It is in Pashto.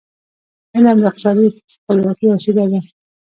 علم د اقتصادي خپلواکی وسیله ده.